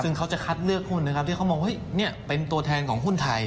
ซึ่งเขาจะคัดเลือกหุ้นนะครับที่เขามองว่าเป็นตัวแทนของหุ้นไทย